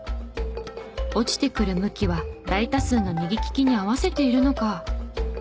落ちてくる向きは大多数の右利きに合わせているのか。